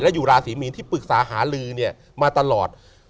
อยู่ราศีมีนที่ปรึกษาหาลือเนี่ยมาตลอด